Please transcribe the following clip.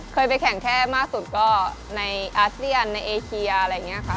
เคยไปแข่งแค่มากสุดก็ในอาเซียนในเอเชียอะไรอย่างนี้ค่ะ